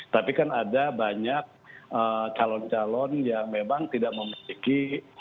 tapi kan ada banyak calon calon yang memang tidak memiliki